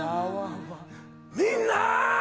みんなー！